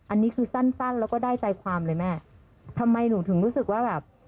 อันนี้คือสั้นสั้นแล้วก็ได้ใจความเลยแม่ทำไมหนูถึงรู้สึกว่าแบบ